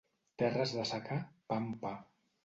Terres de secà, pa amb pa.